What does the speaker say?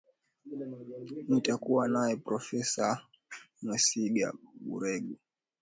nitakuwa naye profesa mwesiga baregu